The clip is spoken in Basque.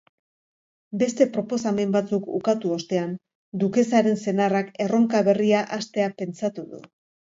Beste proposamen batzuk ukatu ostean, dukesaren senarrak erronka berria hastea pentsatu du.